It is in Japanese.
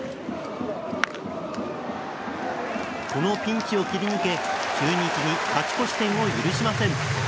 このピンチを切り抜け中日に勝ち越し点を許しません。